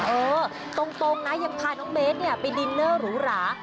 เออตรงนะยังพาน้องเบสไปดินเนอร์หรูหรา